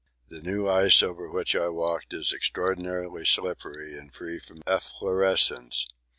The new ice over which I walked is extraordinarily slippery and free from efflorescence.